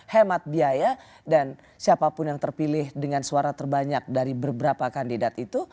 hemat biaya dan siapapun yang terpilih dengan suara terbanyak dari beberapa kandidat itu